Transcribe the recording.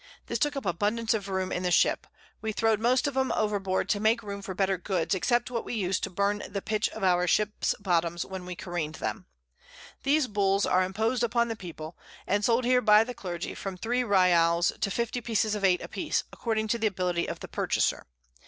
This took up abundance of Room in the Ship; we throw'd most of them overboard to make room for better Goods, except what we used to burn the Pitch of our Ships Bottoms when we careen'd 'em. These Bulls are imposed upon the People, and sold here by the Clergy from 3 Ryals to 50 Pieces of Eight a piece, according to the Ability of the Purchaser.